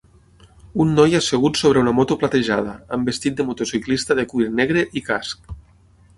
Un noi assegut sobre una moto platejada, amb vestit de motociclista de cuir negre i casc.